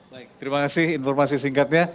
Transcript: baik terima kasih informasi singkatnya